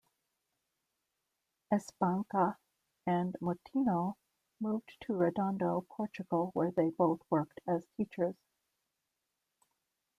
Espanca and Moutinho moved to Redondo, Portugal, where they both worked as teachers.